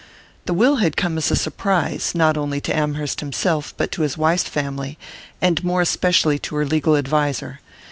The will had come as a surprise, not only to Amherst himself, but to his wife's family, and more especially to her legal adviser.